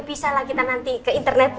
bisa lah kita nanti ke internet